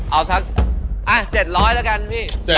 เอาสัก๗๐๐แล้วกันพี่